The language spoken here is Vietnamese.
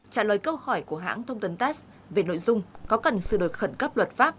trả lời câu hỏi của hãng thông tấn tass về nội dung có cần sự đổi khẩn cấp luật pháp